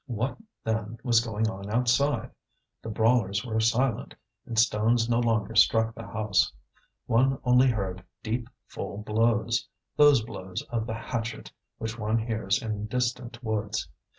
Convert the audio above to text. What, then, was going on outside? The brawlers were silent, and stones no longer struck the house; one only heard deep, full blows, those blows of the hatchet which one hears in distant woods.